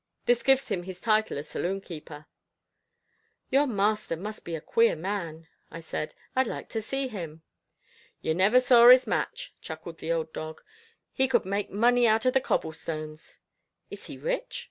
This gives him his title of saloon keeper." "Your master must be a queer man," I said. "I'd like to see him." "You never saw his match," chuckled the old dog. "He could make money out of the cobble stones." "Is he rich?"